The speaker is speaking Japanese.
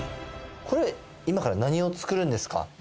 これ今から何を作るんですか？